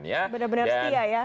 benar benar setia ya